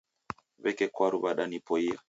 W'eke kwaru wadanipoia.